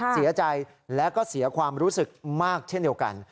เสียใจและก็เสียความรู้สึกมากเช่นเดียวกัน